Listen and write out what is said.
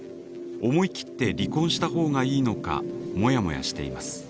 思い切って離婚したほうがいいのかモヤモヤしています。